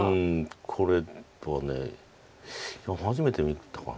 これは初めて見たかなこれは。